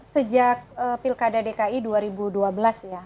sejak pilkada dki dua ribu dua belas ya